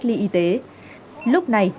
ly y tế lúc này